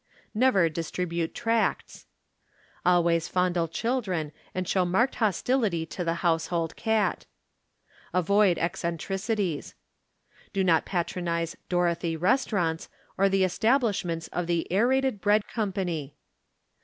Never distribute tracts. Always fondle children and show marked hostility to the household cat. Avoid eccentricities. Do not patronize Dorothy Restaurants or the establishments of the Aerated Bread Company.